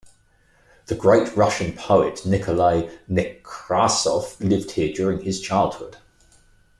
The great Russian poet Nikolay Nekrasov lived here during his childhood.